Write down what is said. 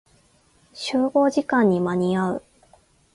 集合時間に間に合う。